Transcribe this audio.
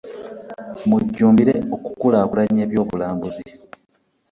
Mu jjumbire okulaakulanya ebyobulambuzi.